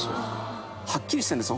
はっきりしてるんです。